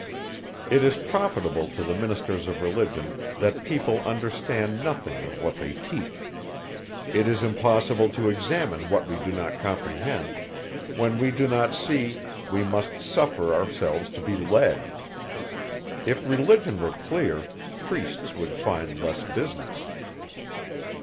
It is profitable to the ministers of religion, that people understand nothing of what they teach. It is impossible to examine what we do not comprehend; when we do not see, we must suffer ourselves to be led. If religion were clear, priests would find less business.